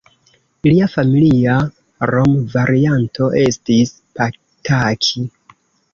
Lia familia nomvarianto estis Pataki.